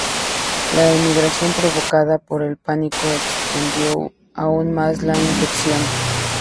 La emigración provocada por el pánico extendió aún más la infección.